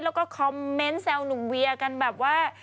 แล้วก็คอมเมนต์แซวหนุ่มเวียกันแบบว่า